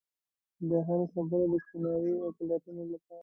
د هرې خبرې د سپیناوي او پلټنې لپاره.